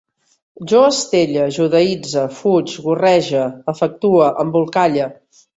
Jo estelle, judaïtze, fuig, gorrege, efectue, embolcalle